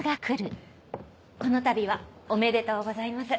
このたびはおめでとうございます。